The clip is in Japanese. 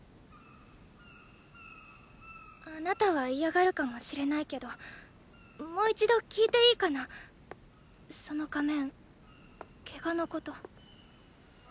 あなたは嫌がるかもしれないけどもう一度聞いていいかなその仮面ケガのこと。